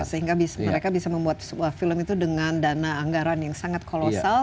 sehingga mereka bisa membuat sebuah film itu dengan dana anggaran yang sangat kolosal